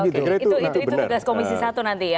oke itu tugas komisi satu nanti ya